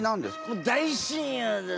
もう大親友ですよ。